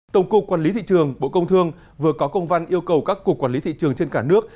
tổng cục quản lý thị trường bộ công thương vừa có công văn yêu cầu các cục quản lý thị trường trên cả nước